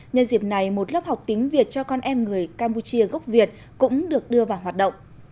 nhân dịp này một lớp học tiếng việt cho con em người campuchia gốc việt cũng được đưa vào hoạt động